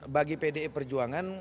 bagi pdi perjuangan